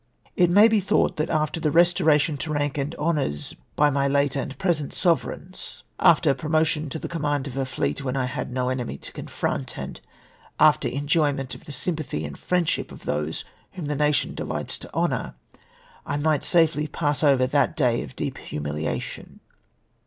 It may be thouglit that after the restoration to rank and honours by my late and present Sovereigns — after promotion to the conunand of a fleet Avhen I had no enemy to confront — and after enjoyment of the sympathy and friendship of those whom the nation delights to honour, — I might safely pass over that day of deep humiliation.